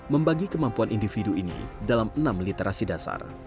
membagi kemampuan individu ini dalam enam literasi dasar